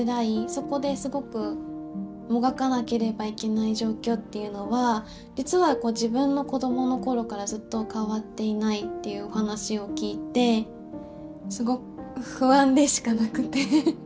そこですごくもがかなければいけない状況っていうのは実は自分の子どものころからずっと変わっていないっていうお話を聞いてすごく不安でしかなくて。